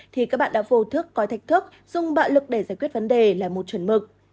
thì các bạn đã vô thức có thách thức dùng bạo lực để giải quyết vấn đề là một chuẩn mực